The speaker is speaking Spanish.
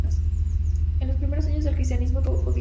En los primeros años del cristianismo tuvo obispo.